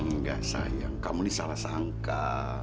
enggak sayang kamu ini salah sangka